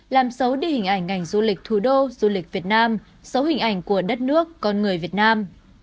làm xấu đi hình ảnh ngành du lịch thủ đô du lịch việt nam xấu hình ảnh của đất nước con người việt nam